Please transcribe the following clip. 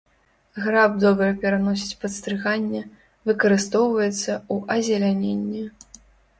Граб добра пераносіць падстрыганне, выкарыстоўваецца ў азеляненні.